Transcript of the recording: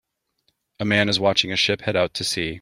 A man is watching a ship head out to sea.